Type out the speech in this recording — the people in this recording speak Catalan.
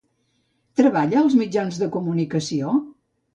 Treballa als mitjans de comunicació?